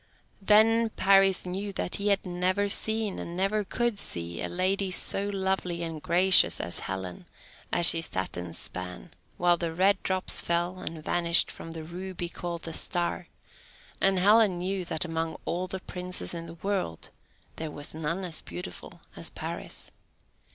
Then Paris knew that he had never seen, and never could see, a lady so lovely and gracious as Helen as she sat and span, while the red drops fell and vanished from the ruby called the Star; and Helen knew that among all the princes in the world there was none so beautiful as Paris.